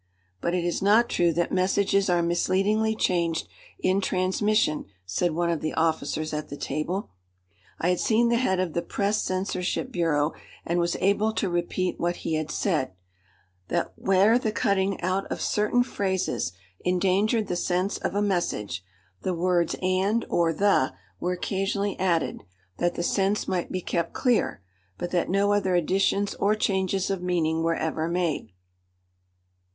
"But it is not true that messages are misleadingly changed in transmission," said one of the officers at the table. I had seen the head of the press censorship bureau, and was able to repeat what he had said that where the cutting out of certain phrases endangered the sense of a message, the words "and" or "the" were occasionally added, that the sense might be kept clear, but that no other additions or changes of meaning were ever made.